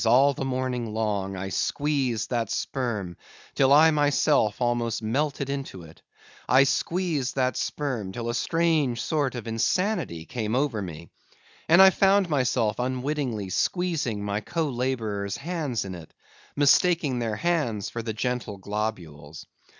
all the morning long; I squeezed that sperm till I myself almost melted into it; I squeezed that sperm till a strange sort of insanity came over me; and I found myself unwittingly squeezing my co laborers' hands in it, mistaking their hands for the gentle globules.